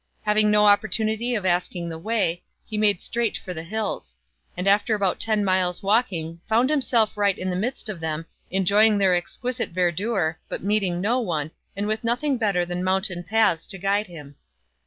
Havmg no opportunity of asking the way, he made straight for the hills ; and after about ten miles walking found himself right in the midst of them, enjoying their exquisite verdure, but meeting no one, and with nothing better than mountain paths to guide him.